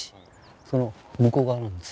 その向こう側なんですよ。